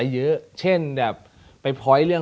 เยอะเช่นแบบ